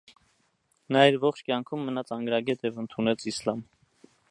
Նա իր ողջ կյանքում մնաց անգրագետ և ընդունեց իսլամ։